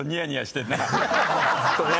ずっとね。